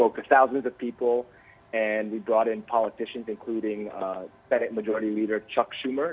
kami membawa politik termasuk pemerintah pemerintah pemerintah chuck schumer